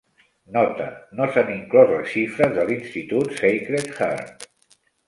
Nota: No s'han inclòs les xifres de l'institut Sacred Heart.